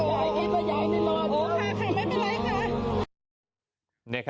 โอเคไม่เป็นไรค่ะ